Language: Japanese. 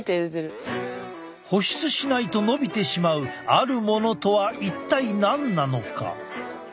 保湿しないと伸びてしまうあるものとは一体何なのか？